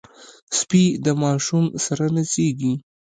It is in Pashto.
سپي د ماشوم سره نڅېږي.